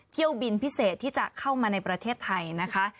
เที่ยวบินพิเศษที่จะเข้ามาในประเทศไทยนะคะ